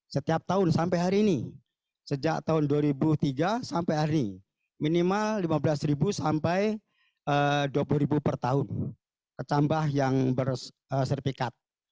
setiap tahun sampai hari ini sejak tahun dua ribu tiga sampai hari ini minimal lima belas sampai rp dua puluh per tahun kecambah yang bersertifikat